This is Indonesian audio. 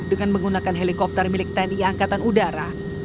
dengan menggunakan helikopter milik tni angkatan udara